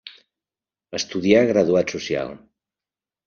Estudià graduat social.